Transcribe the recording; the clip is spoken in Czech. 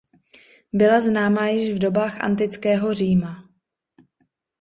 Byla známa již v dobách antického Říma.